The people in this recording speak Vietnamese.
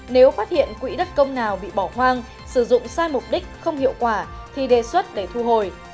nếu phát hiện quỹ đất công nào bị bỏ hoang sử dụng sai mục đích không hiệu quả thì đề xuất để thu hồi